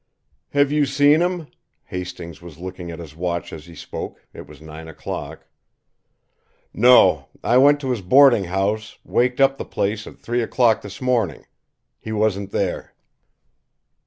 "Have you seen him?" Hastings was looking at his watch as he spoke it was nine o'clock. "No; I went to his boarding house, waked up the place at three o'clock this morning. He wasn't there."